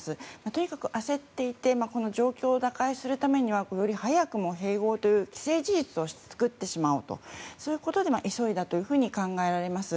とにかく焦っていてこの状況を打開するためにはより早く併合という既成事実を作ってしまおうとそういうことで急いだと考えられます。